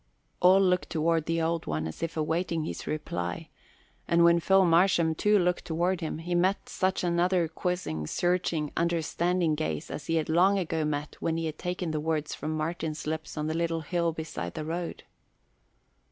All looked toward the Old One as if awaiting his reply; and when Phil Marsham, too, looked toward him, he met such another quizzing, searching, understanding gaze as he had long ago met when he had taken the words from Martin's lips on the little hill beside the road.